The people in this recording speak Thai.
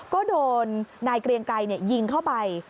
ก็โดนนายเกรียงไกรยิงเข้าไป